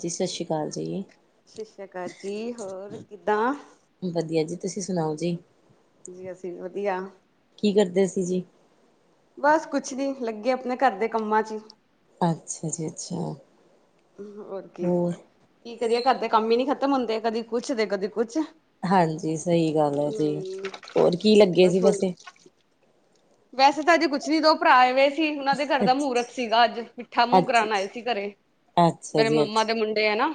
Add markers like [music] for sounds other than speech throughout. ਜੀ ਸਤਿ ਸ਼੍ਰੀ ਅਕਾਲ ਜੀ ਸ਼ਸ਼ੀਆ ਕਾ ਜੀ ਹੋਰ ਕਿੱਦਾਂ ਵਧੀਆ ਜੀ ਤੁਸੀਂ ਸੁਣਾਓ ਜੀ ਜੀ ਅਸੀਂ ਵੀ ਵਧੀਆ ਕੀ ਕਰਦੇ ਸੀ ਜੀ ਬਸ ਕੁਛ ਨੀ ਲੱਗੇ ਆਪਣੇ ਘਰ ਦੇ ਕੰਮਾਂ ਚ ਈ ਅੱਛਾ ਜੀ ਅੱਛਾ ਹੋਰ ਕੀ ਕੀ ਕਰੀਏ ਘਰ ਦੇ ਕੰਮ ਹੀ ਨੀ ਖਤਮ ਹੁੰਦੇ ਕਦੀ ਕੁਛ ਦੇ ਕਦੇ ਕੁਛ ਹਾਂਜੀ ਸਹੀ ਗੱਲ ਏ ਜੀ ਹਮ ਹੋਰ ਕੀ ਲੱਗੇ ਬਸ ਸੀ ਹੁਣ ਵੈਸੇ ਵੈਸੇ ਤਾਂ ਅਜੇ ਕੁਛ ਨੀ ਦੋ ਭਰਾ ਆਏ ਵੇ ਸੀ ਉਹਨਾਂ ਦੇ ਘਰ ਦਾ ਮਹੂਰਤ ਅੱਛਾ ਸੀਗਾ ਅੱਜ ਮਿੱਠਾ ਮੂੰਹ ਅੱਛਾ ਕਰਾਉਣ ਆਏ ਜੀ ਸੀ ਘਰੇ ਅੱਛਾ ਮੇਰੇ ਜੀ ਮਮਾ ਅੱਛਾ ਦੇ ਮੁੰਡੇ ਐ ਨਾ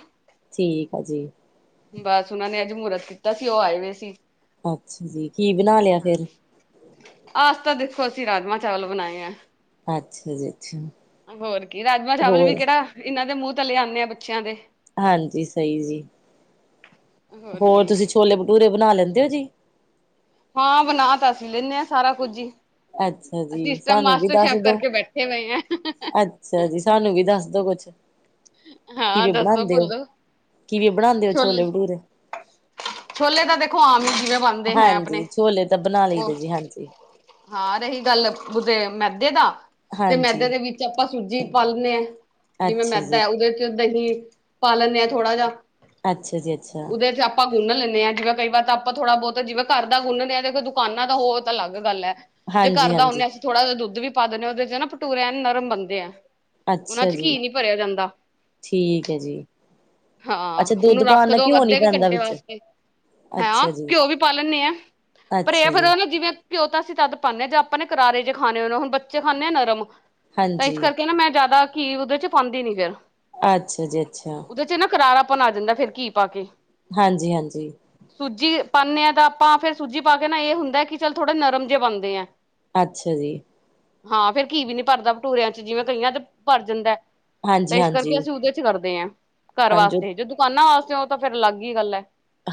ਠੀਕ ਆ ਜੀ ਬਸ ਉਹਨਾਂ ਨੇ ਅੱਜ ਮਹੂਰਤ ਕੀਤਾ ਸੀ ਉਹ ਆਏ ਵੇ ਸੀ ਅੱਛਾ ਜੀ ਕੀ ਬਣਾ ਲਿਆ ਫੇਰ ਆਜ ਤਾਂ ਦੇਖੋ ਅਸੀਂ ਰਾਜਮਾਂ ਚਾਵਲ ਬਣਾਏ ਐ ਅੱਛਾ ਜੀ ਅੱਛਾ ਹੋਰ ਕੀ ਰਾਜਮਾਂ ਚਾਵਲ ਵੀ ਹੋਰ ਕਿਹੜਾ ਇਹਨਾਂ ਦੇ ਮੂੰਹ ਤਲੇ ਆਂਦੇ ਆ ਬੱਚਿਆਂ ਦੇ ਹਾਂਜੀ ਸਹੀ ਜੀ ਹੋਰ ਤੁਸੀਂ ਛੋਲੇ ਭਟੂਰੇ ਬਣਾ ਲੈਂਦੇ ਓ ਜੀ ਹਾਂ ਬਣਾ ਤਾਂ ਅਸੀਂ ਲੈਂਣੇ ਆ ਸਾਰਾ ਕੁੱਝ ਈ ਅੱਛਾ ਜੀ ਅਸੀਂ ਇਸ ਟੈਮ ਸਾਨੂੰ ਵੀ ਮਾਸਟਰ ਸ਼ੈਫ ਕਰਕੇ ਬੈਠੇ ਵਏ ਐ ਛਾ ਜੀ ਸਾਨੂੰ ਵੀ ਦੱਸਦੋ ਕੁਛ ਹਾਂ ਕਿਵੇਂ ਦੱਸੋ ਬਣਾਂਦੇ ਓ ਭੁੱਲੋ ਕਿਵੇਂ ਬਣਾਂਦੇ ਓ ਛੋਲੇ ਭਟੂਰੇ ਛੋਲੇ ਤਾਂ ਦੇਖੋ ਆਮ ਹੀ ਜਿਵੇਂ ਬਣ ਹਾਂਜੀ ਛੋਲੇ ਤਾਂ ਬਣਾ ਲਈ ਦੇ ਜੀ ਹਾਂਜੀ ਹਾਂ ਰਹੀ ਗੱਲ ਉਦੇ ਮੈਦੇ ਦਾ ਤੇ ਮੈਦੇ ਹਾਂਜੀ ਦੇ ਵਿੱ ਚ ਆਪਾਂ ਸੂਜੀ ਪਾ ਲੈਂਣੇ ਆ ਜਿਵੇਂ ਅੱਛਾ ਮੈਦਾ ਜੀ ਏ ਉਹਦੇ ਚ ਦਹੀਂ ਪਾ ਲੈਂਨੇ ਆ ਥੋੜ੍ਹਾ ਜਿਹਾ ਅੱਛਾ ਜੀ ਅੱਛਾ ਪਾਂ ਗੁੰਨ ਲੈਂਨੇ ਆ ਜਿਵੇਂ ਕਈ ਵਾਰ ਤਾਂ ਆਪਾਂ ਥੋੜਾ ਬਹੁਤ ਜਿਵੇਂ ਘਰ ਦਾ ਗੁੰਨਨੇ ਆ ਦੇਖੋ ਦੁਕਾਨਾਂ ਦਾ ਉਹ ਤਾਂ ਅਲੱਗ ਗੱਲ ਐ ਜੇ ਘਰ ਹਾਂਜੀ ਦਾ ਹਾਂਜੀ ਹੁੰਦੇ ਹਾਂ, ਅਸੀ ਥੋੜਾ ਜਿਹਾ ਦੁੱਧ ਪਾ ਦਿਨੇ ਆ ਉਹਦੇ ਚ, ਨਾ ਭਟੂਰੇ ਐਨ ਨਰਮ ਬਣਦੇ ਆ। ਉਹਨਾ ਅੱਛਾ ਚ ਜੀ ਘੀ ਨਹੀਂ ਭਰਿਆ ਜਾਂਦਾ। ਠੀਕ ਏ ਜੀ। ਹਾਂ, ਅੱਛਾ ਉਹਨੂੰ ਦੁੱਧ ਪਾਉਣ ਰੱਖ ਨਾਲ ਦੋ, ਘਿਓ ਨੀ ਅੱਧੇ ਕੁ ਪੈਂਦਾ ਘੰਟੇ ਵਿੱਚ ਵਾਸਤੇ। ਹਾ, ਅੱਛਾ ਜੀ ਘਿਓ ਵੀ ਪਾ ਲੈਂਣੇ ਆ, ਪਰ ਇਹ ਏ ਅੱਛਾ ਜੀ ਫੇਰ। ਜਿਵੇਂ ਘਿਓ ਤਾਂ ਅਸੀਂ ਤਦ ਪਾਂਣੇ ਆ, ਜੇ ਆਪਾਂ ਨੇ ਕਰਾਰੇ ਜੇ ਖਾਣੇ ਹੋਣ, ਹੁਣ ਬੱਚੇ ਖਾਂਦੇ ਆ ਨਰਮ। ਤਾਂ ਇਸ ਹਾਂਜੀ ਕਰਕੇ ਨਾ, ਮੈਂ ਜ਼ਿਆਦਾ ਘੀ ਉਹਦੇ ਚ ਪਾਉਂਦੀ ਨੀ, ਫੇਰ। ਅੱਛਾ ਜੀ ਅੱਛਾ। ਉਹਦੇ ਚ ਨਾ ਕਰਾਰਾਪਣ ਆ ਜਾਂਦੈ, ਫਿਰ ਘੀ ਪਾ ਕੇ। ਹਾਂਜੀ, ਹਾਂਜੀ। ਸੂਜੀ ਪਾਂਦੇ ਆ ਤਾਂ ਆਪਾਂ, ਫੇਰ ਸੂਜੀ ਪਾ ਕੇ ਨਾ ਇਹ ਹੁੰਦਾ ਕਿ, ਚੱਲ ਥੋੜੇ ਨਰਮ ਜਿਹੇ ਬਣਦੇ ਆ। ਅੱਛਾ ਜੀ। ਹਾਂ, ਫੇਰ ਘੀ ਵੀ ਨੀ ਭਰਦਾ ਭਟੂਰਿਆਂ ਚ, ਜਿਵੇਂ ਕਈਆਂ ਚ ਭਰ ਜਾਂਦਾ ਏ। ਤਾਂ ਹਾਂਜੀ ਇਸ ਹਾਂਜੀ ਕਰਕੇ ਅਸੀਂ ਉਹਦੇ ਚ ਕਰਦੇ ਆ, ਘਰ ਹਾਂਜੀ ਵਾਸਤੇ, ਜੇ ਦੁਕਾਨਾਂ ਵਾਸਤੇ ਹੋ ਤਾਂ ਫਿਰ ਅਲੱਗ ਹੀ ਗੱਲ ਏ।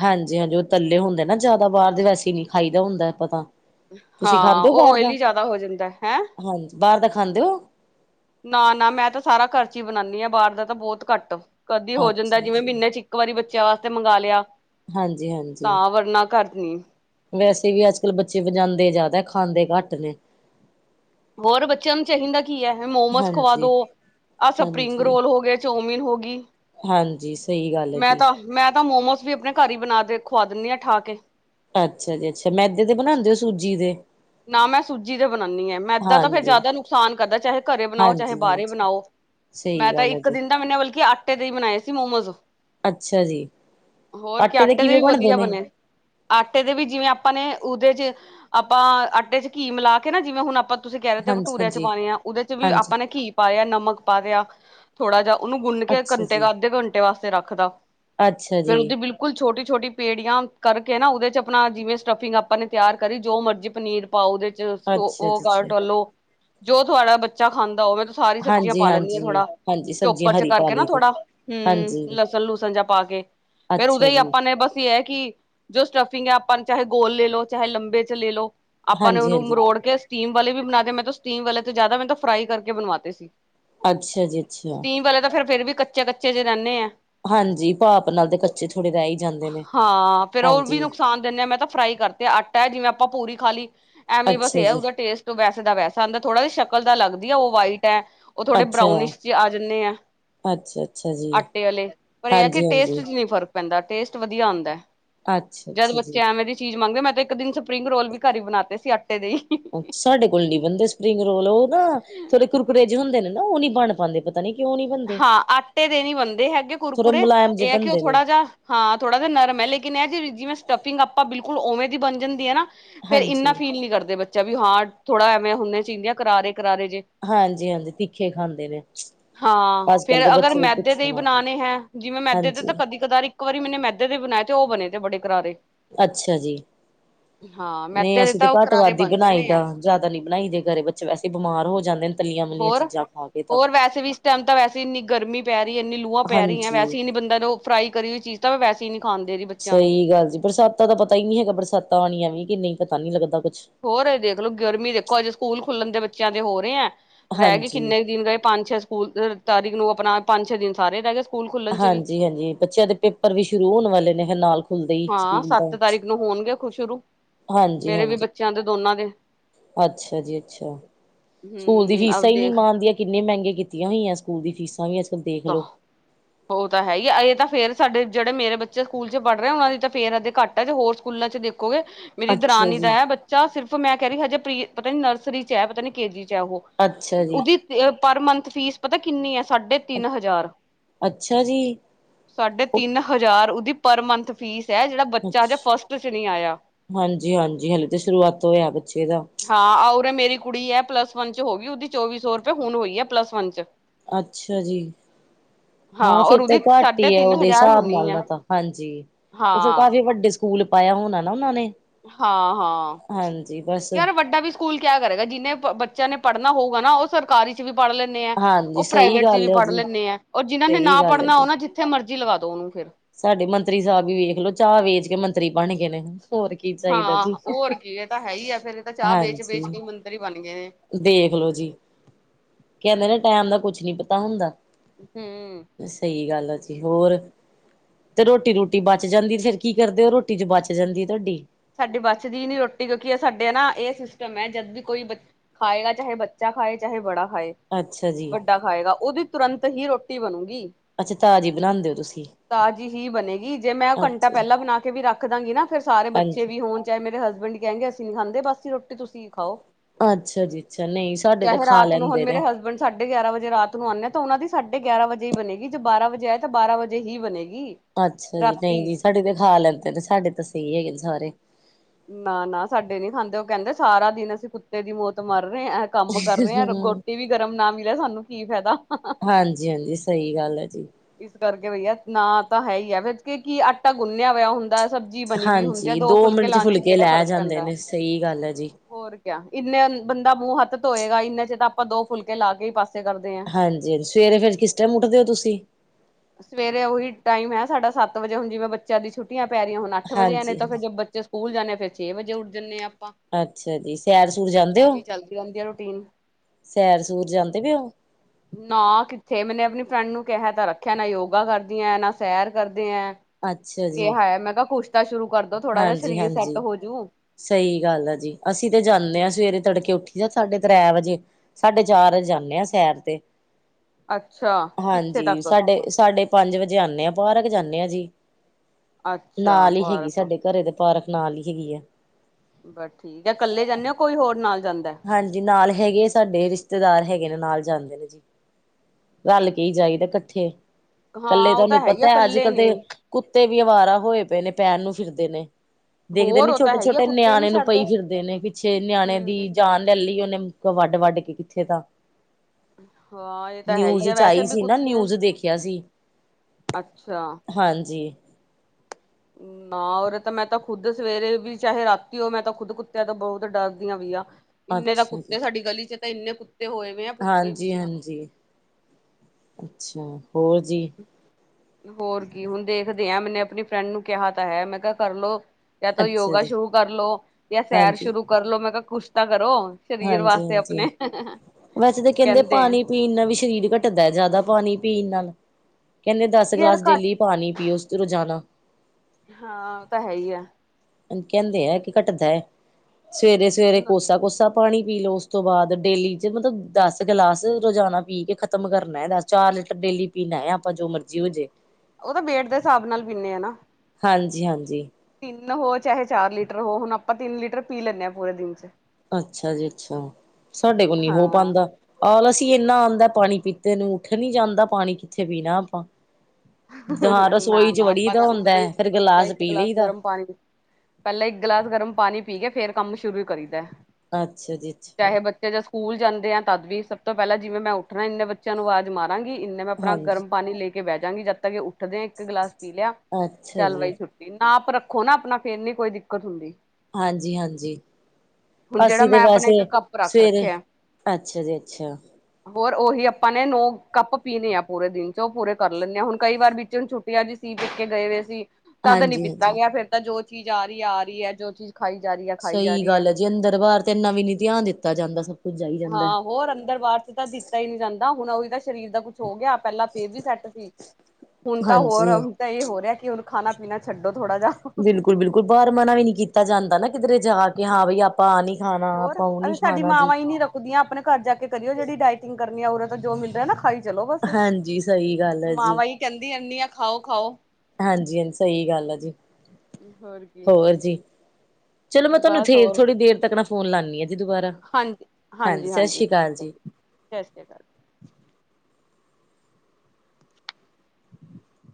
ਹਾਂਜੀ, ਹਾਂਜੀ, ਉਹ ਤੱਲੇ ਹੁੰਦੇ ਨਾ ਜ਼ਿਆਦਾ ਬਾਹਰ ਦੇ, ਵੈਸੇ ਹੀ ਨਹੀਂ ਖਾਈਦਾ ਹੁੰਦਾ ਪਤਾ। ਤੁਸੀਂ ਹਾਂ ਖਾਂਦੇ ਹੋ ਉਹ ਬਾਹਰ ਦਾ, ਓਇਲੀ ਜ਼ਿਆਦਾ ਹੋ ਜਾਂਦਾ ਹੈਂ ਹਾਂ, ਬਾਹਰ ਦਾ ਖਾਂਦੇ ਹੋ। ਨਾ-ਨਾ, ਮੈਂ ਤਾਂ ਸਾਰਾ ਘਰ ਚ ਹੀ ਬਣਾਉਂਦੀ ਹਾਂ, ਬਾਹਰ ਦਾ ਤਾਂ ਬਹੁਤ ਘੱਟ, ਕਦੀ ਹੋ ਜਾਂਦਾ ਅੱਛਾ ਜਿਵੇਂ ਜੀ ਮਹੀਨੇ ਚ। ਇੱਕ ਵਾਰੀ ਬੱਚਿਆਂ ਵਾਸਤੇ ਮੰਗਵਾ ਲਿਆ, ਹਾਂਜੀ ਹਾਂਜੀ ਤਾਂ, ਵਰਨਾ ਘਰ ਨੀ। ਵੈਸੇ ਵੀ ਅੱਜ ਕੱਲ੍ਹ ਬੱਚੇ ਵਜਾਂਦੇ ਜ਼ਿਆਦਾ, ਖਾਂਦੇ ਘੱਟ ਨੇ। ਹੋਰ ਬੱਚਿਆਂ ਨੂੰ ਚਾਹੀਦਾ ਕੀ ਹੈ, ਮੋਮਸ ਖਵਾ ਹਾਂਜੀ ਦੋ, ਆਹ ਸਪਰਿੰਗ ਹਾਂਜੀ ਰੋਲ ਹੋ ਗਏ। ਚਉਮੀਨ ਹੋ ਗਈ। ਹਾਂਜੀ। ਸਹੀ ਗੱਲ ਹੈ ਮੈਂ ਜੀ ਤਾਂ, ਮੈਂ ਤਾਂ ਮੋਮੋਸ ਵੀ ਆਪਣੇ ਘਰ ਹੀ ਬਣਾ ਦੇ ਖੁਵਾ ਦਿੰਦੀ ਹਾਂ, ਠਾ ਕੇ। ਅੱਛਾ ਜੀ, ਅੱਛਾ ਮੈਦੇ ਤੇ ਬਣਾਉਂਦੇ ਹੋ, ਸੂਜੀ ਦੇ। ਨਾ, ਮੈਂ ਸੂਜੀ ਤੇ ਬਣਾਉਦੀ ਆ, ਮੈਦਾ ਤਾਂ ਫੇਰ ਹਾਂਜੀ ਜ਼ਿਆਦਾ ਨੁਕਸਾਨ ਕਰਦੈ, ਚਾਹੇ ਘਰੇ ਬਣਾਓ, ਚਾਹੇ ਹਾਂਜੀ ਬਾਹਰੇ ਹਾਂਜੀ ਬਣਾਓ। ਸਹੀ ਮੈਂ ਤਾਂ ਗੱਲ ਹੈ ਇੱਕ ਜੀ ਦਿਨ ਤਾਂ ਬਲਕਿ ਆਟੇ ਦੇ ਹੀ ਬਣਾਏ ਸੀ, ਮੋਮੋਜ਼। ਅੱਛਾ ਜੀ ਹੋਰ ਕਿਯਾ, ਆਟੇ ਦੇ ਕਿਵੇਂ ਵੀ ਬਣਦੇ ਵਧੀਆ ਨੇ ਬਣੇ। ਆਟੇ ਦੇ ਵੀ, ਜਿਵੇਂ ਆਪਾਂ ਨੇ, ਉਹਦੇ ਚ ਆਪਾਂ ਆਟੇ ਚ ਘੀ ਮਿਲਾ ਕੇ ਨਾ, ਜਿਵੇਂ ਹੁਣ ਆਪਾਂ। ਤੁਸੀਂ ਕਹਿ ਰਹੇ ਹੋ ਹਾਂਜੀ ਭਟੂਰਿਆਂ ਚ ਹਾਂਜੀ ਪਾਣੀ ਆ, ਉਹਦੇ ਚ ਵੀ ਹਾਂਜੀ ਆਪਾਂ ਨੇ ਘੀ ਪਾ ਲਿਆ, ਨਮਕ ਪਾ ਲਿਆ। ਥੋੜਾ ਜਿਹਾ ਉਹਨੂੰ, ਗੁੰਨ ਕੇ ਅੱਛਾ ਘੰਟੇ, ਜੀ ਅੱਧੇ ਘੰਟੇ ਵਾਸਤੇ ਰੱਖਦਾ, ਅੱਛਾ ਫੇਰ ਜੀ ਉਹਦੀ ਬਿਲਕੁਲ ਬਿਲਕੁਲ ਛੋਟੀ ਛੋਟੀ ਪੇੜੀਆਂ ਕਰਕੇ ਨਾ, ਉਹਦੇ 'ਚ ਆਪਣਾ ਜਿਵੇਂ ਸਟਫਿੰਗ ਆਪਾਂ ਨੇ ਤਿਆਰ ਕਰੀ, ਜੋ ਮਰਜ਼ੀ ਪਨੀਰ। ਪਾਓ ਉਹਦੇ ਚ, ਅੱਛਾ ਜੀ ਉਹ ਕਰ ਅੱਛਾ ਤਲ ਲੋ, ਜੋ ਤੁਹਾਡਾ ਬੱਚਾ ਖਾਂਦਾ ਉਹਵੇ। ਸਾਰੀ ਸਬਜ਼ੀਆਂ ਹਾਂਜੀ ਪਾ ਲੈਂਦੀ ਹਾਂ ਹਾਂਜੀ ਥੋੜਾ, ਹਾਂਜੀ ਸਬਜ਼ੀਆਂ ਚੋਪਰ ਚ ਹਰੀ ਪਾ ਕਰਕੇ ਨਾ ਲਈ ਦੀ ਥੋੜਾ, ਹੰ, ਹਾਂਜੀ ਲਸਣ ਲੂਸਣ ਜਾ ਪਾ ਕੇ। ਫੇਰ ਉਦੇ ਅੱਛਾ ਹੀ ਜੀ ਆਪਾਂ ਨੇ ਬਸ। ਹੈ ਕਿ, ਜੋ ਸਟਫਿੰਗ ਹੈ ਆਪਾਂ ਨੂੰ, ਚਾਹੇ ਗੋਲ ਲੈ ਲਓ, ਚਾਹੇ ਲੰਬੇ ਚ ਲੈ ਲੋ। ਆਪਾਂ ਨੇ ਹਾਂਜੀ ਉਹਨੂੰ ਹਾਂਜੀ ਮਰੋੜ ਕੇ ਸਟੀਮ ਵਾਲੇ ਵੀ ਬਣਾਦੇ, ਮੈਂ ਸਟੀਮ ਵਾਲੇ ਤੇ ਜ਼ਿਆਦਾ, ਮੈਂ ਫਰਾਈ ਕਰਕੇ ਬਣਵਾਤੇ ਸੀ। ਅੱਛਾ ਜੀ ਅੱਛਾ ਸਟੀਮ ਵਾਲੇ ਤਾਂ ਫਿਰ, ਫੇਰ ਵੀ ਕੱਚੇ-ਕੱਚੇ ਜੇਹੇ ਰਹਿੰਦੇ ਆ। ਹਾਂਜੀ ਭਾਪ ਨਾਲ ਦੇ ਕੱਚੇ ਥੋੜੇ ਰਹਿ ਹੀ ਜਾਂਦੇ ਨੇ ਹਾਂ, ਫਿਰ ਉਹ ਵੀ ਹਾਂਜੀ ਨੁਕਸਾਨ ਦਿਨੇਂ ਆ, ਮੈਂ ਤਾਂ ਫਰਾਈ ਕਰ। ਤੇ ਆਟਾ ਹੈ, ਜਿਵੇਂ ਆਪਾਂ ਪੂਰੀ ਖਾ ਲੀ। ਐਵੇਂ ਬਸ ਅੱਛਾ ਹੈ, ਜੀ ਉਹਦਾ ਟੇਸਟ ਵੈਸੇ ਦਾ ਵੈਸਾ ਆਂਦਾ, ਥੋੜ੍ਹਾ ਜਿਹਾ ਸ਼ਕਲ ਤਾਂ ਲੱਗਦੀ ਹੈ, ਉਹ ਵਾਈਟ ਹੈ। ਉਹ ਥੋੜੇ ਅੱਛਾ ਬਰਾਊਨਿਸ਼ ਚ ਆ ਜਾਂਦੇ ਆ। ਅੱਛਾ ਅੱਛਾ ਜੀ ਆਟੇ ਵਾਲੇ, ਪਰ ਇਹ ਹੈ ਕਿ ਹਾਂਜੀ ਟੇਸਟ ਹਾਂਜੀ ਚ ਨੀ ਫ਼ਰਕ। ਪੈਂਦਾ, ਟੇਸਟ ਵਧੀਆ ਆਉਦੈ, ਅੱਛਾ ਜਦ ਅੱਛਾ ਜੀ ਬੱਚੇ ਐਵੇਂ ਦੀ ਚੀਜ਼ ਮੰਗੇ, ਮੈਂ ਤਾਂ ਇੱਕ ਦਿਨ। ਸਪਰਿੰਗ ਰੋਲ ਵੀ ਘਰ ਈ ਬਣਾਤੇ ਸੀ, ਆਟੇ ਦੇ ਹੀ। ਸਾਡੇ ਕੋਲ ਨੀ ਬਣਦੇ ਸਪਰਿੰਗ ਰੋਲ, ਉਹ ਨਾ ਥੋੜੇ ਕੁਰਕੁਰੇ ਜ ਹੁੰਦੇ ਨੇ ਨਾ, ਉਹ ਨੀ ਬਣ ਪਾਉਂਦੇ। ਤਾਂ ਨੀ ਕਿਉਂ ਨੀ ਬ ਹਾਂ ਆਟੇ ਦੇ ਨੀ, ਬਨਦੇ ਹੈਗੇ ਥੋੜੇ ਕੁਰਕੁਰੇ, ਮੁਲਾਇਮ ਜਿਹੇ ਏਹ ਐ ਕਿ ਓ ਬਣਦੇ ਨੇ ਥੋੜਾ ਜੇਹਾ ਹਾਂ, ਥੋੜਾ ਜੇਆ ਨਰਮ ਐ, ਲੇਕਿਨ ਏਹ ਜੇ, ਜਿਵੇਂ ਸਟਫਿੰਗ ਆਪਾਂ ਬਿਲਕੁਲ ਉਵੇਂ ਦੀ ਬਣ ਜਾਂਦੀ ਐ ਨਾ ਫੇਰ, ਇੰਨਾ ਹਾਂਜੀ ਫੀਲ ਨੀ, ਕਰਦੇ ਬੱਚਾ ਵੀ ਹਾਂ ਥੋੜ੍ਹਾ, ਐਵੇਂ ਹੋਨੇ ਚਾਈਦੇ ਐ, ਕਰਾਰੇ -ਕਰਾਰੇ ਜੇ। ਹਾਂਜੀ- ਹਾਂਜੀ, ਤਿੱਖੇ ਖਾਂਦੇ ਨੇ। ਹਾਂ, ਅੱਜ ਕੱਲ ਫੇਰ ਦੇ ਅਗਰ ਬੱਚੇ ਵੀ ਮੈਦੇ ਦੇ ਪੁੱਛੋ ਈ ਨਾ ਬਨਾਨੇ ਹੈ, ਜਿਵੇਂ ਮੈਦੇ ਦੇ ਹਾਂਜੀ ਤਾਂ ਕਦੀ ਕਦਾਰ ਈ ਇੱਕ ਵਾਰੀ ਮੈਂਨੇ, ਮੈਦੇ ਦੇ ਬਨਾਏ, ਤੇ ਓ ਬਨੇ ਤੇ ਬੜੇ ਕਰਾਰੇ। ਅੱਛਾ ਜੀ ਹਾਂ ਨਈ ਮੈਦੇ ਦੇ ਅਸੀਂ ਤੇ ਤਾਂ ਉਹ ਘੱਟ, ਕਰਾਰੇ ਵੱਧ ਈ ਬਣ ਬਨਾਈ ਜਾਂਦੇ ਆ ਦਾ। ਜਾਦਾ ਨੀ ਬਣਾਈ ਦੇ, ਘਰੇ ਬੱਚੇ ਵੈਸੇ ਈ ਬਮਾਰ ਹੋ ਜਾਂਦੇ ਨੇ ਤਲੀਆਂ -ਮੱਲੀਆਂ, ਹੋਰ ਚੀਜਾਂ ਖਾ ਕੇ ਤਾਂ। ਹੋਰ ਵੈਸੇ ਵੀ ਇਸ ਟਾਈਮ ਤਾਂ, ਵੈਸੇ ਇੰਨੀ ਗਰਮੀ ਪੈ ਰੀ ਇੰਨੀ ਲੂਆਂ ਪੈ ਰੀਆਂ, ਹਾਂਜੀ। ਵੈਸੇ ਈ ਨਈ ਬੰਦਾ ਨੂੰ ਫਰਾਈ ਕਰੀ ਹੋਈ ਚੀਜ ਤਾਂ, ਵੈਸੇ ਈ ਨੀ ਖਾਨ ਦੇ ਰਈ। ਸਈ ਗੱਲ ਜੀ, ਬਰਸਾਤਾਂ ਤਾਂ ਪਤਾ ਈ ਨਈ ਹੈਗਾ, ਬਰਸਾਤਾਂ ਆਣੀਆਂ ਵੀ ਕਿ ਨਈ, ਪਤਾ ਨੀ ਲੱਗਦਾ ਕੁਛ। ਹੋਰ ਏ, ਦੇਖ ਲੋ ਗਰਮੀ ਦੇਖੋ, ਅਜੇ ਸਕੂਲ ਖੁੱਲਣ ਦੇ ਬੱਚੇਆਂ ਦੇ ਹੋ ਰੇ ਐਂ। ਰੈਹ ਗਏ, ਹਾਂਜੀ। ਕਿੰਨੇ ਕੁ ਦਿਨ ਰੈਹ ਪੰਜ, ਛੇ ਸਕੂਲ ਤਾਰੀਖ ਨੂੰ ਆਪਣਾ ਪੰਜ ਛੇ, ਦਿਨ ਸਾਰੇ ਰੈਹ ਗਏ। ਸਕੂਲ ਖੁੱਲਣ ਚ ਵੀ। ਹਾਂਜੀ- ਹਾਂਜੀ, ਬੱਚੇਆਂ ਦੇ ਪੇਪਰ ਵੀ ਸ਼ੁਰੂ ਹੋਣ ਵਾਲੇ ਨੇ, ਨਾਲ। ਖੁੱਲਦੇ ਹੀ ਹਾਂ, ਸਕੂਲ ਤਾਂ। ਸੱਤ ਤਾਰੀਕ ਨੂੰ ਹੋਣਗੇ ਖੁ ਸ਼ੁਰੂ ਹਾਂਜੀ ਮੇਰੇ ਵੀ ਹਾਂਜੀ ਬੱਚੇਆਂ ਦੇ ਦੋਨਾਂ ਦੇ। ਅੱਛਾ ਜੀ -ਅੱਛਾ, ਸਕੂਲ ਦੀ ਹੂੰ ਆਪ ਫੀਸਾਂ ਈ, ਨੀ ਦੇਖ ਮਾਣਦੀ ਹੈ ਕਿੰਨੇ ਮੈਹੰਗੇ ਕੀਤੀਆਂ ਹੋਈਆਂ ਸਕੂਲ ਦੀ ਫੀਸਾਂ ਵੀ, ਅ [unintelligible] ਓ ਤਾਂ ਹੈ ਈ ਐ, ਏਹ ਤਾਂ ਫੇਰ ਸਾਡੇ ਜੇਹੜੇ ਮੇਰੇ ਬੱਚੇ ਸਕੂਲ 'ਚ ਪੜ੍ਹ ਰਏ ਐ ਓਨਾਂ ਦੀ ਤਾਂ ਫੇਰ, ਅਜੇ ਘੱਟ ਐ, ਤੇ ਹੋਰ ਸਕੂਲਾਂ ਚ ਦੇਖੋ। ਖੋਗੇ ਮੇਰੀ ਅੱਛਾ ਦਰਾਨੀ ਦਾ ਜੀ ਐ ਬੱਚਾ, ਸਿਰਫ਼ ਮੈਂ ਕੇਹ ਰਈ ਹਜੇ ਪ੍ਰੀ ਪਤਾ ਨੀ, ਨਰਸਰੀ ਚ ਐ, ਪਤਾ ਨੀ ਕੇ- ਜੀ 'ਚ ਹੈ ਓਹ। ਅੱਛਾ ਜੀ ਉਹਦੀ ਪਰ ਮੰਥ ਫੀਸ ਪਤਾ ਕਿੰਨੀ ਐ? ਸਾਢੇ ਤਿੰਨ ਹਜਾਰ। ਅੱਛਾ ਜੀ ਸਾਢੇ ਤਿੰਨ ਹਜਾਰ ਉਦੀ ਪਰ ਮੰਥ ਫੀਸ ਐ, ਜੇਹੜਾ ਬੱਚਾ ਅਜੇ ਅੱਛਾ। ਫਸਟ 'ਚ ਨਹੀਂ ਆਏਆ। ਹਾਂਜੀ -ਹਾਂਜੀ, ਹਲੇ ਤੇ ਸ਼ੁਰੂਆਤ ਹੋਏਆ ਬੱਚੇ ਦਾ‌। ਹਾਂ, ਔਰ ਏ ਮੇਰੀ ਕੁੜੀ ਆ। ਪਲੱਸ ਵਨ ਚ ਹੋ ਗਈ, ਉਦੀ ਚੌਵੀ ਸੌ ਰੁਪਏ ਹੁਨ ਹੋਈ ਐ ਪਲੱਸ ਵਨ 'ਚ। ਅੱਛਾ ਜੀ। ਹਾਂ, ਫੇਰ ਔਰ ਤੇ ਉਹਦੀ ਘੱਟ ਈ ਸਾਢੇ ਐ, ਤਿੰਨ ਉਹਦੇ ਹਜ਼ਾਰ ਹਿਸਾਬ ਹੋਣੀ ਨਾਲ ਆ ਨਾ ਤਾਂ ਹਾਂਜੀ, ਓ ਫੇਰ ਹਾਂ ਕਾਫ਼ੀ ਵੱਡੇ ਸ- ਕੂਲ ਪਾਏਆ ਹੋਨਾ ਨਾ ਓਨਾਂ ਨੇ। ਹਾਂ- ਹਾਂ, ਹਾਂਜੀ ਬਸ ਯਾਰ ਵੱਡਾ ਵੀ ਸਕੂਲ ਕਿਆ ਕਰੇਗਾ, ਜਿੰਨੇ ਬੱਚੇਆਂ ਨੇ ਪੜ੍ਹਨਾ ਹੋਊਗਾ ਨਾ, ਓ ਸਰਕਾਰੀ 'ਚ ਵੀ ਪੜ੍ਹ ਲੈਂਨੇ ਐਂ, ਓ ਹਾਂਜੀ ਸਹੀ ਪ੍ਰਾਈਵੇਟ ਚ ਵੀ ਗੱਲ ਹੈ ਪੜ੍ਹ ਜੀ ਲੈਂਨੇ ਐਂ ਔਰ ਜਿਨਾਂ ਨੇ ਸਹੀ ਨਾ, ਗੱਲ ਹੈ ਪੜ੍ਹਨਾ ਜੀ। ਉਨਾਂ ਜਿ ਜਿੱਥੇ ਮਰਜੀ ਲਗਾ ਦੋ ਓਨੂੰ ਫੇਰ। ਸਾਡੇ ਮੰਤਰੀ ਸਾਬ ਵੀ ਵੇਖ ਲਓ, ਚਾਹ ਵੇਚ ਕੇ ਮੰਤਰੀ ਬਣ ਗਏ ਨੇ। ਹੋਰ ਕੀ ਚਾਈਦਾ ਹਾਂ ਜੀ, ਹੋਰ ਕੀ ਇਹ ਤਾਂ ਹੈ ਹੀ ਆ ਫੇਰ ਇਹ ਤਾਂ ਚਾਹ ਵੇਚ ਵੇਚ ਹਾਂਜੀ। ਕੇ ਮੰਤਰੀ ਬਣ ਗਏ ਨੇ ਦੇਖ ਲੋ ਜੀ, ਕੈੰਦੇ ਨੇ ਟੈਮ ਦਾ ਕੁਛ ਨੀਂ ਪਤਾ ਹੁੰਦਾ। ਹਮ। ਸਈ ਗੱਲ ਆ ਜੀ, ਹੋਰ? ਤੇ, ਰੋਟੀ -ਰੂਟੀ ਬਚ ਜਾਂਦੀ, ਫੇਰ ਕੀ ਕਰਦੇ ਓ ਰੋਟੀ ਜੇ ਬਚ ਜਾਂਦੀ, ਤੁਆਡੀ। ਸਾਡੇ ਬਚ ਦੀ ਨੀ ਰੋਟੀ, ਕਿਉਂਕਿ ਏਹ ਸਾਡੇ ਨਾ ਏਹ ਸਿਸਟਮ ਐ, ਜਦ ਵੀ ਕੋਈ ਬੱ ਖਾਏਗਾ ਚਾਹੇ ਬੱਚਾ ਖਾਏ, ਚਾਹੇ ਬੜਾ ਖਾਏ। ਅੱਛਾ ਜੀ। ਵੱਡਾ ਖਾਏਗਾ ਓਦੀ ਤੁਰੰਤ ਹੀ ਰੋਟੀ ਬਣੂਗੀ। ਅੱਛਾ ਤਾਜ਼ੀ ਬਣਾਉਂਦੇ ਹੋ ਤੁਸੀਂ ਤਾਜ਼ੀ ਹੀ ਬਣੇਗੀ ਜੇ ਮੈਂ ਘੰਟਾ ਅੱਛਾ ਪਹਿਲਾਂ ਬਣਾ ਕੇ ਵੀ ਰੱਖ ਰੱਖਦਾਂਗੀ ਨਾ ਫੇਰ ਸਾਰੇ ਹਾਂਜੀ। ਬੱਚੇ ਵੀ ਹੋਣ ਚਾਹੇ ਮੇਰੇ ਹਸਬੈਂਡ ਕਹਿੰਗੇ ਅਸੀਂ ਨੀ ਖਾਂਦੇ ਬਸ ਹੀ ਰੋਟੀ ਤੁਸੀਂ ਖਾਓ। ਅੱਛਾ ਜੀ ਅੱਛਾ ਨਈ ਸਾਡੇ ਤਾਂ ਚਾਹੇ ਖਾ ਰਾਤ ਨੂੰ ਹੁਣ ਲੈਂਦੇ ਮੇਰੇ ਨੇ। ਹਸਬੈਂਡ ਸਾਢੇ ਗਿਆਰਾਂ ਵਜੇ ਰਾਤ ਨੂੰ ਆਨੇ ਹਾਂ, ਤਾਂ ਉਹਨਾਂ ਦੀ ਸਾਢੇ ਗਿਆਰਾਂ ਵਜੇ ਹੀ ਬਣੇਗੀ, ਜੇ ਬਾਰਾਂ ਵਜੇ ਆਏ ਤਾਂ ਬਾਰਾਂ ਵਜੇ ਹੀ ਬਣੇਗੀ। ਅੱਛਾ ਜੀ ਨਈਂ-ਨਈਂ ਰਾਤੀ ਜੀ ਸਾਡੇ ਤੇ ਖਾ ਲੈਂਦੇ ਨੇ ਸਾਡੇ ਤਾਂ ਸਹੀ ਹੈਗੇ ਨੇ ਸਾਰੇ। ਨਾ-ਨਾ ਸਾਡੇ ਨੀ ਖਾਂਦੇ ਉਹ ਕਹਿੰਦੇ ਸਾਰਾ ਦਿਨ ਅਸੀਂ ਕੁੱਤੇ ਦੀ ਮੌਤ ਮਰ ਰਹੇ ਆ। ਕੰਮ ਕਰ ਰਹੇ ਆ ਗੋਟੀ ਵੀ ਗਰਮ ਨਾ ਮਿਲੇ ਸਾਨੂੰ ਕੀ ਫਾਇਦਾ। ਹਾਂਜੀ-ਹਾਂਜੀ ਸਹੀ ਗੱਲ ਹੈ ਜੀ। ਇਸ ਕਰਕੇ ਬਈਆ ਨਾ ਤਾਂ ਹੈ ਹੀ ਫਿਰ ਕੀ ਆਟਾ ਗੁੰਨਿਆ ਹੋਇਆ ਹੁੰਦਾ ਸਬ ਜੀ ਬਣੀ ਵੀ ਹੁੰਦੀ ਆ ਹਾਂਜੀ ਦੋ ਫੁਲਕੇ ਮਿੰਟ ਲਾਉਣ ਚ ਕਿਹੜਾ ਲੈ ਫ਼ਰਕ ਜਾਂਦੇ ਪੈਂਦਾ। ਨੇ ਸਹੀ ਗੱਲ ਹੈ ਜੀ। ਹੋਰ ਕਿਆ, ਇੰਨੇ ਬੰਦਾ ਮੂੰਹ ਹੱਥ ਧੋਏਗਾ ਇਨੇ ਚ ਤਾਂ ਆਪਾਂ ਦੋ ਫੁਲਕੇ ਲਾ ਕੇ ਹੀ ਪਾਸੇ ਕਰਦੇ ਆ। ਹਾਂਜੀ-ਹਾਂਜੀ ਸਵੇਰੇ ਫੇਰ ਕਿਸ ਟੈਮ ਉੱਠਦੇ ਹੋ ਤੁਸੀਂ? ਸਵੇਰੇ ਉਹੀ ਟਾਈਮ ਹੈ ਸਾਡਾ ਸੱਤ ਵਜੇ ਹੁਣ ਜਿਵੇਂ ਬੱਚਿਆਂ ਦੀ ਛੁੱਟੀਆ ਪੈ ਰਹੀਆਂ ਹੋਣ ਅੱਠ ਵਜੇ ਆ ਨੇ ਹਾਂਜੀ ਤਾਂ ਫਿਰ ਹਾਂਜੀ। ਜੇ ਬੱਚੇ ਸਕੂਲ ਜਾਨੇ ਆ ਫੇਰ ਛੇ ਵਜੇ ਉੱਠ ਜਾਂਦੇ ਆਪਾਂ। ਅੱਛਾ ਜੀ ਸੈਰ ਸੂਰ ਜਾਂਦੇ ਹੋ, ਐਵੇਂ ਚੱਲਦੀ ਰਹਿੰਦੀ ਆ ਰੂਟੀਨ ਸੈਰ ਸੂਰ ਜਾਂਦੇ ਪਓ ਹੋ। ਨਾ ਕਿੱਥੇ ਮੈਨੇ ਆਪਣੀ ਫਰੈਂਡ ਨੂੰ ਕਿਹਾ ਤਾਂ ਰੱਖਿਆ ਨਾ ਯੋਗਾ ਕਰਦੀਆ ਨਾ ਸੈਰ ਕਰਦੇ ਏ। ਅੱਛਾ ਜੀ। ਕਿਹਾ ਹੈ ਮੈਂ ਕਿਹਾ ਕੁਛ ਤਾ ਸ਼ੁਰੂ ਕਰਦੋ ਥੋੜਾ ਜਹਾ ਹਾਂਜੀ ਸਰੀਰ ਸੈੱਟ ਹਾਂਜੀ। ਹੋਜੂ। ਸਹੀ ਗੱਲ ਆ ਜੀ ਅਸੀਂ ਤੇ ਜਾਨੇ ਆ ਸਵੇਰੇ ਤੜਕੇ ਉੱਠੀ ਜਾ ਸਾਡੇ ਤਰੈ ਵਜੇ। ਸਾਡੇ ਚਾਰ ਜਾਨੇ ਹਾਂ ਸੈਰ ਤੇ ਅੱਛਾ ਕਿੱਥੇ ਹਾਂਜੀ ਤੱਕ ਸਾਡੇ ਸਾਡੇ ਪੰਜ ਵਜੇ ਆਨੇ ਆ ਪਾਰਕ ਜਾਨੇ ਆ ਜੀ ਅੱਛਾ ਨਾਲ ਹੀ ਹੈਗੀ ਪਾਰਕ ਸਾਡੇ। ਘਰੇ ਦੇ ਪਾਰਕ ਨਾਲ ਹੀ ਹੈਗੀ ਹੈ। ਬਸ ਠੀਕ ਹੈ, ਕੱਲੇ ਜਾਂਦੇ ਹੋ ਕੋਈ ਹੋਰ ਨਾਲ ਜਾਂਦਾ। ਹਾਂਜੀ ਨਾਲ ਹੈਗੇ ਸਾਡੇ ਰਿਸ਼ਤੇਦਾਰ ਹੈਗੇ ਨੇ ਨਾਲ ਜਾਂਦੇ ਨੇ ਜੀ। ਰਲ ਕੇ ਜਾਈਦਾ ਕੱਠੇ ਕੱਲੇ ਹਾਂ ਉਹ ਤਾਂ ਤੁਹਾਨੂੰ ਹੈ ਹੀ ਆ ਪਤਾ ਅੱਜ ਕੱਲੇ ਕੱਲ ਨੀ ਤੇ ਕੁੱਤੇ ਵੀ ਅਵਾਰਾ ਹੋਏ ਪਏ ਨੇ ਪੈਣ ਨੂੰ ਫਿਰਦੇ ਨੇ। ਦੇਖਦੇ ਹੋਰ ਨੀ ਉਹ ਤਾਂ ਹੈ ਹੀ ਆ ਛੋਟੇ-ਛੋਟੇ ਕੁੱਤੇ ਨੀ ਨਿਆਣੇ ਨੂੰ ਛੱਡਦੇ ਪਈ ਫਿਰਦੇ ਨੇ ਪਿੱਛੇ ਨਿਆਣੇ ਦੀ ਹੂੰ। ਖਲ ਲੈ ਲੀ ਉਹਨੇ ਵੱਡ-ਵੱਢ ਕੇ ਪਿੱਛੇ ਤਾਂ। ਹਾਂ ਇਹ ਤਾਂ ਹੈ ਹੀ ਨਿਊਜ਼ ਆ ਚ ਵੈਸੇ ਆਈ ਵੀ ਸੀ ਨਾ ਕੁੱਤੇ ਨਿਊਜ਼ ਦੇਖਿਆ ਸੀ। ਅੱਛਾ ਹਾਂਜੀ ਨਾ ਉਰੇ ਤਾਂ ਮੈਂ ਤਾਂ ਖੁੱਦ ਸਵੇਰੇ ਵੀ ਚਾਹੇ ਰਾਤੀ ਹੋ ਮੈਂ ਤਾਂ ਖੁੱਦ ਕੁੱਤਿਆਂ ਤਾਂ ਬਹੁਤ ਡਰਦੀ ਆ ਭਈਆ। ਇੰਨੇ ਤਾਂ ਅੱਛਾ ਕੁੱਤੇ ਸਾਡੀ ਗਲੀ ਚ ਤੇ ਇੰਨੇ ਕੁੱਤੇ ਹੋਏ ਵੇ ਆ ਪੁੱਛੋ ਹੀ ਕੁਛ ਨਾ। ਹਾਂਜੀ-ਹਾਂਜੀ ਅੱਛਾ ਹੋਰ ਜੀ? ਹੋਰ ਕੀ ਹੁਣ ਦੇਖਦੇ ਆ ਮੈਨੇ ਆਪਣੀ ਫਰੈਂਡ ਨੂੰ ਕਿਹਾ ਤਾਂ ਹੈ ਮੈਂ ਕਿਹਾ ਕਰਲੋ ਯਾ ਤਾ ਅੱਛਾ ਯੋਗਾ ਜੀ, ਸ਼ੁਰੂ ਕਰਲੋ ਯਾ ਸੈਰ ਹਾਂਜੀ, ਸ਼ੁਰੂ ਕਰਲ ਲੋ ਮੈਂ ਕਿਹਾ ਕੁਛ ਤਾਂ ਕਰੋ। ਸਰੀਰ ਹਾਂਜੀ, ਵਾਸਤੇ ਹਾਂਜੀ। ਆਪਣੇ ਵੈਸੇ ਤਾਂ ਕਹਿੰਦੇ ਆ। ਪਾਣੀ ਪੀਣ ਨਾਲ ਵੀ ਸਰੀਰ ਘੱਟਦਾ ਜਾਦਾ ਪਾਣੀ ਪੀਣ ਨਾਲ ਕਹਿੰਦੇ ਦਸ ਯਾਰ ਗਲਾਸ ਘੱਟ ਡੇਲੀ ਪਾਣੀ ਪੀਓ ਉਸ ਤੇ ਰੋਜ਼ਾਨਾ। ਹਾਂ ਉਹ ਤਾਂ ਹੈ ਹੀ ਆ। ਕਹਿੰਦੇ ਹੈ ਕਿ ਘੱਟਦਾ ਹੈ ਸਵੇਰੇ-ਸਵੇਰੇ ਕੋਸਾ-ਕੋਸਾ ਪਾਣੀ ਪੀ ਲੋ ਉਸ ਤੋਂ ਬਾਦ ਡੇਲੀ ਚ ਮਤਲਬ ਦਸ ਗਿਲਾਸ ਰੋਜਾਨਾ ਪੀ ਕੇ ਖ਼ਤਮ ਕਰਨਾ ਹੈ ਦਸ ਚਾਰ ਲੀਟਰ ਡੇਲੀ ਪੀਣਾ ਹੈ ਆਪਾਂ ਜੋ ਮਰਜ਼ੀ ਹੋਜੇ। ਉਹ ਤਾਂ ਵੇਟ ਦੇ ਹਿਸਾਬ ਨਾਲ ਪੀਨੇ ਆ ਨਾ। ਹਾਂਜੀ-ਹਾਂਜੀ ਤਿੰਨ ਹੋ ਚਾਹੇ ਚਾਰ ਲੀਟਰ ਹੋ ਹੁਣ ਆਪਾਂ ਤਿੰਨ ਲੀਟਰ ਪੀ ਲੈਨੇ ਹਾਂ ਪੂਰੇ ਦਿਨ ਚ। ਅੱਛਾ ਜੀ ਅੱਛਾ ਸਾਡੇ ਕੋਲ ਨੀ ਹੋ ਹਾਂ। ਪਾਦਾ। ਆਲ ਅਸੀਂ ਇੰਨਾ ਆਉਂਦਾ ਪਾਣੀ ਪੀਤੇ ਨੂੰ ਉੱਠ ਨੀ ਜਾਂਦਾ ਪਾਣੀ ਕਿੱਥੇ ਪੀਣਾ ਆਪਾਂ। ਹਾਂ ਨਾ ਰਸੋਈ ਚ -ਨਾ ਵੜੀ ਆਪਾਂ ਦਾ ਤਾਂ ਹੁੰਦਾ ਉੱਠਦੇ ਹੈ ਸਭ ਫਿਰ ਤੋਂ ਪਹਿਲਾਂ ਗਿਲਾਸ ਇੱਕ ਪੀ ਲਈ ਗਲਾਸ ਦਾ ਗਰਮ ਪਾਣੀ ਪਹਿਲਾਂ ਇੱਕ ਗਲਾਸ ਗਰਮ ਪਾਣੀ ਪੀ ਕੇ ਫੇਰ ਕੰਮ ਸ਼ੁਰੂ ਕਰੀ ਦਾ। ਅੱਛਾ ਜੀ ਅੱਛਾ। ਜਦੋ ਸਕੂਲ ਜਾਂਦੇ ਆ ਤਦ ਵੀ ਸਭ ਤੋਂ ਪਹਿਲਾਂ ਜਿਵੇ ਮੈਂ ਉੱਠਣਾ ਇੰਨੇ ਬਚੇ ਬੱਚਿਆਂ ਨੂੰ ਆਵਾਜ਼ ਮਾਰਾਂਗੀ ਇੰਨੇ ਮੈਂ ਆਪਣਾ ਹਾਂਜੀ ਗਰਮ ਪਾਣੀ ਲੈ ਕੇ ਬਹਿ ਜਾਂਗੀ ਜਦ ਤੱਕ ਕਿ ਉੱਠਦੇ ਆ ਇੱਕ ਗਲਾਸ ਪੀ ਲਿਆ। ਅੱਛਾ ਚੱਲ ਜੀ ਬਾਈ ਛੁੱਟੀ ਨਾਪ ਰੱਖੋ ਨਾ ਆਪਣਾ ਫੇਰ ਨੀ ਕੋਈ ਦਿੱਕਤ ਹੁੰਦੀ। ਹਾਂਜੀ ਹਾਂਜੀ। ਹੁਣ ਜਿਹੜਾ ਅਸੀਂ ਤੇ ਮੈਂ ਆਪਣਾ ਵੈਸੇ ਇੱਕ ਕੱਪ ਰੱਖ ਸਵੇਰੇ ਰੱਖਿਆ ਅੱਛਾ ਜੀ ਅੱਛਾ। ਹੋਰ ਉਹੀ ਆਪਾਂ ਨੇ ਨੋ ਕੱਪ ਪੀਣੇ ਆ ਪੂਰੇ ਦਿਨ ਚ ਉਹ ਪੂਰੇ ਕਰ ਲੈਂਦੇ ਹਾਂ ਹੁਣ ਕਈ ਵਾਰ ਵਿੱਚ ਨੂੰ ਛੁੱਟੀਆਂ ਜੀ ਸੀ ਬੱਚੇ ਗਏ ਹੋਏ ਸੀ ਤਦ ਨੀ ਹਾਂਜੀ ਪੀਤਾ ਹਾਂਜੀ ਗਿਆ ਫਿਰ ਜੋ ਚੀਜ਼ ਆ ਰਹੀ ਹੈ ਆ ਰਹੀ ਹੈ ਜੋ ਚੀਜ਼ ਖਾਈ ਜਾ ਰਹੀ ਐ। ਸਹੀ ਗੱਲ ਐ ਜੇ ਅੰਦਰ ਬਾਹਰ ਤੇ ਇੰਨਾ ਵੀ ਨੀ ਧਿਆਨ ਦਿੱਤਾ ਜਾਂਦਾ। ਕੁੱਝ ਜਾਈ ਜਾਂਦਾ ਹਾਂ ਹੋਰ ਅੰਦਰ ਬਾਹਰ ਚ ਤਾਂ ਦਿੱਤਾ ਹੀ ਨਹੀਂ ਜਾਂਦਾ ਹੁਣ ਉਹੀ ਤਾਂ ਸਰੀਰ ਦਾ ਕੁਛ ਹੋ ਗਿਆ ਪਹਿਲਾਂ ਫੇਰ ਵੀ ਸੈਟ ਸੀ, ਹੁਣ ਤਾਂ ਹੋਰ ਹਾਂਜੀ ਤਾਂ ਇਹ ਹੋ ਰਿਹਾ ਕਿ ਹੁਨ ਖਾਣਾ ਪੀਣਾ ਛੱਡੋ ਥੋੜ੍ਹਾ ਜਿਹਾ ਬਿਲਕੁਲ ਬਿਲਕੁਲ, ਬਾਹਰ ਮਨਾ ਵੀ ਨਹੀਂ ਕੀਤਾ ਜਾਂਦਾ ਨਾ ਕਿਧਰੇ ਜਾ ਕੇ ਹਾਂ ਬਈ ਆਪ ਆਪਾਂ ਆਹ ਨੀ ਖਾਣਾ, ਆਪਾਂ ਉਹ ਨੀ ਖਾਣਾ ਜੀ। ਕੁੜੀਆਂ ਆਪਣੇ ਘਰ ਜਾ ਕੇ ਕਰੀਓ ਜਿਹੜੀ ਡਾਇਟਿੰਗ ਕਰਨੀ ਆ ਉਰਾ ਤੇ ਜੋ ਮਿਲ ਰਿਹਾ ਨਾ ਖਾਈ ਚਲੋ ਬਸ, ਹਾਂਜੀ ਸਹੀ ਗੱਲ ਹੈ ਜੀ ਮਾਂਵਾ ਈ ਕਹਿੰਦੀ ਐਨੀ ਆ ਖਾਓ -ਖਾਓ। ਹਾਂਜੀ ਹਾਂਜੀ ਸਹੀ ਗੱਲ ਆ ਜੀ। ਹੋਰ ਜੀ, ਚਲੋ ਮੈਂ ਤੁਹਾਨੂੰ ਬਸ ਫੇਰ ਹੋਰ ਥੋੜ੍ਹੀ ਦੇਰ ਤੱਕ ਨਾ ਫੋਨ ਲਾਂਦੀ ਆ। ਜੀ ਦੁਬਾਰਾ, ਹਾਂਜੀ ਹਾਂਜੀ ਸਸ ਸ੍ਰੀ ਕਾਲ ਜੀ। ਸਸ ਸ਼੍ਰੀ ਕਾਲ।